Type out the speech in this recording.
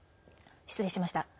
失礼しました。